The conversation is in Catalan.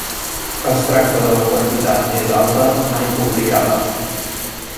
Es tracta de la quantitat més alta mai publicada.